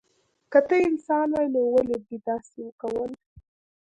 که ته انسان وای نو ولی دی داسی کول